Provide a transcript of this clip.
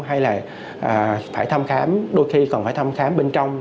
hay là phải thăm khám đôi khi còn phải thăm khám bên trong